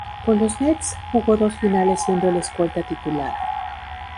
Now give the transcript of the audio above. Con los Nets jugó dos finales siendo el escolta titular.